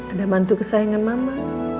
ada mantu kesayangan mama